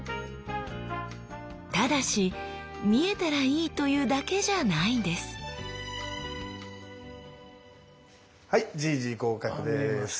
ただし見えたらいいというだけじゃないんですはいじいじ合格です。